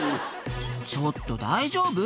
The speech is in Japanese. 「ちょっと大丈夫？